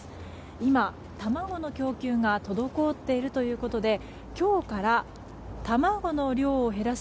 今、卵の供給が滞っているということで今日から卵の量を減らし